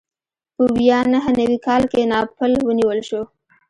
په ویا نهه نوي کال کې ناپل ونیول شو.